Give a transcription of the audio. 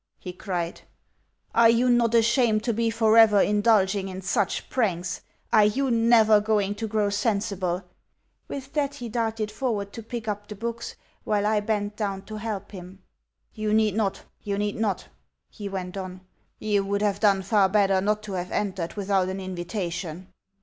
he cried. "Are you not ashamed to be for ever indulging in such pranks? Are you NEVER going to grow sensible?" With that he darted forward to pick up the books, while I bent down to help him. "You need not, you need not!" he went on. "You would have done far better not to have entered without an invitation."